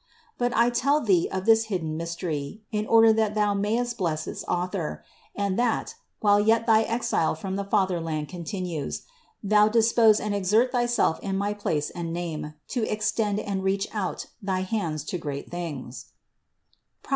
But I tell thee of this hidden mystery, in order that thou mayest bless its Author, and that, while yet thy exile from the fatherland continues, thou dispose and exert thyself in my place and name to extend and reach out thy hands to great things (Prov.